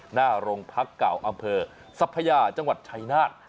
หน้าโรงพักเก่าอำเภอสัพยาจังหวัดชัยนาธ